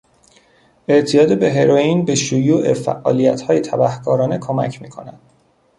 اعتیاد به هرویین به شیوع فعالیتهای تبهکارانه کمک میکند.